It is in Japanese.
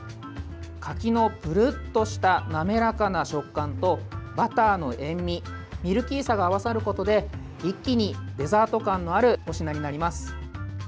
柿のぷるっとした滑らかな食感とバターの塩みミルキーさが合わさることで一気にデザート感のあるひと品になります。